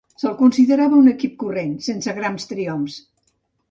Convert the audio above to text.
Se'l considerava un equip corrent, sense grans triomfs.